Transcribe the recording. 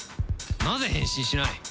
なぜ変身しない？